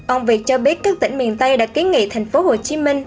ông việt cho biết các tỉnh miền tây đã kiến nghị thành phố hồ chí minh